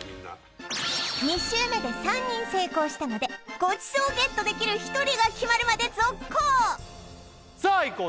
２周目で３人成功したのでごちそうをゲットできる１人が決まるまで続行さあいこう